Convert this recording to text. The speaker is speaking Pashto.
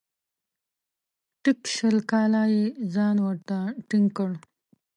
ټیک شل کاله یې ځان ورته ټینګ کړ .